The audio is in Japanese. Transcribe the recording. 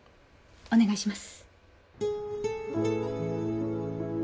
お願いします。